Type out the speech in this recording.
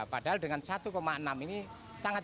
padahal dengan rp satu enam juta ini sangat tidak terlalu